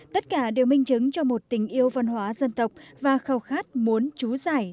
tất cả đều minh chứng cho một tình yêu văn hóa dân tộc và khâu khát muốn trú giải